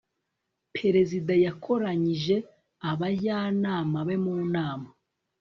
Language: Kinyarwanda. perezida yakoranyije abajyanama be mu nama